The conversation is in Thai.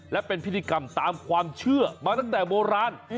และเป็นพิธีกรรมตามความเชื่อมาตั้งแต่โบราณ